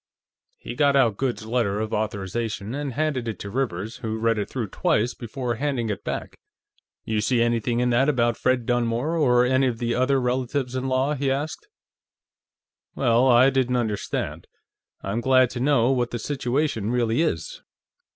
He got out Goode's letter of authorization and handed it to Rivers, who read it through twice before handing it back. "You see anything in that about Fred Dunmore, or any of the other relatives in law?" he asked. "Well, I didn't understand; I'm glad to know what the situation really is."